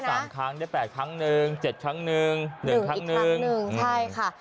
ได้๓ครั้งได้๘ครั้งนึง๗ครั้งนึง๑ครั้งนึงอีกครั้งนึงใช่ค่ะ